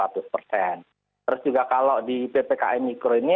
terus juga kalau di ppkm mikro ini